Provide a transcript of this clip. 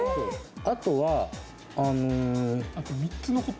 あとはあの。